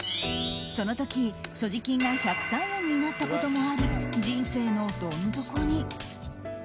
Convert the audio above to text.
その時、所持金が１０３円になったこともあり人生のどん底に。